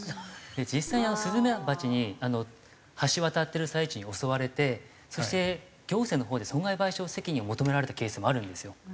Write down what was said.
実際にスズメバチに橋渡ってる最中に襲われてそして行政のほうで損害賠償責任を求められたケースもあるんですよ。